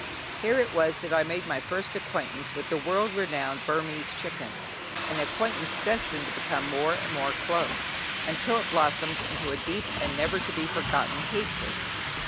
Here it was that I made my first acquaintance with the world renowned Burmese chicken, an acquaintance destined to become more and more close, until it blossomed into a deep and never to be forgotten hatred.